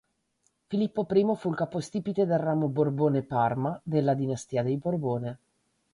Filippo I fu il capostipite del ramo Borbone-Parma della dinastia dei Borbone.